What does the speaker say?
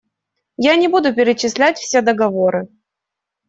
Я не буду перечислять все договоры.